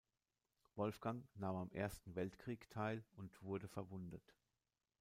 Wolfgang nahm am Ersten Weltkrieg teil und wurde verwundet.